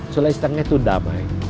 sulai setengah itu damai